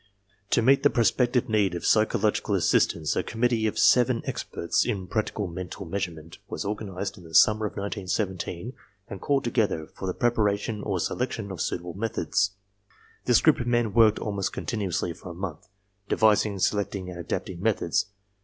To meet the prospective need of psychological assistance a committee of seven experts in practical mental measurement was organized in the sunmier of 1917 and called together for INTRODUCTION xi the preparation or selection of suitable methods. This group of men worked almost continuously for a month, devising, se lecting and adapting methods.